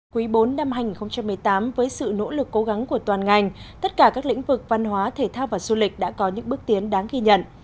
quý bốn năm hai nghìn một mươi tám với sự nỗ lực cố gắng của toàn ngành tất cả các lĩnh vực văn hóa thể thao và du lịch đã có những bước tiến đáng ghi nhận